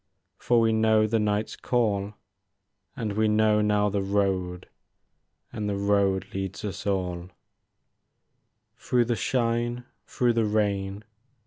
For we know the night's call, And we know now the road And the road leads us all. Through the shine, through the rain.